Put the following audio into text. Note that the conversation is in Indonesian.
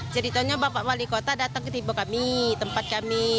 ceritanya bapak wali kota datang ke tempat kami